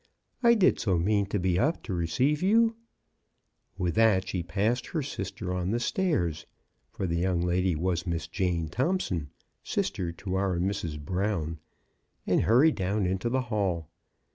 " I did so mean to be up to receive you !*' With that she passed her sister on the stairs — for the young lady was Miss Jane Thompson, sister to our Mrs. Brown — and hurried down into the hall.